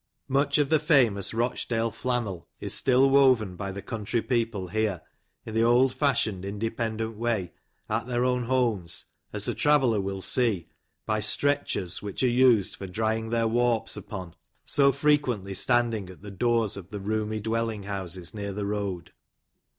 Much of the famous Rochdale flannel is still woven by tbe country people here, in the old fashioned, independent way, at their own homes, as the traveller will see by " stretchers," which are used for drying their warps upon, so frequently standing at the doors of the roomy dwelling ■U'i Till: COTTAGE OF TIM BOBBIN, houses near the road.